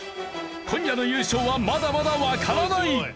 今夜の優勝はまだまだわからない。